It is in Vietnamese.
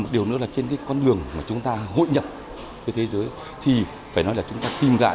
một điều nữa là trên cái con đường mà chúng ta hội nhập với thế giới thì phải nói là chúng ta tìm lại